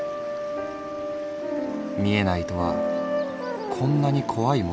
「見えないとはこんなに怖いものなのか。